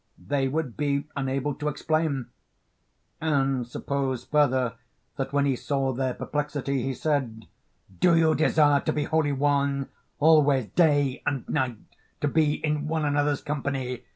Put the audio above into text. they would be unable to explain. And suppose further, that when he saw their perplexity he said: 'Do you desire to be wholly one; always day and night to be in one another's company?